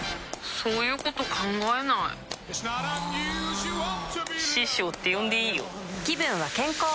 そういうこと考えないあ師匠って呼んでいいよぷ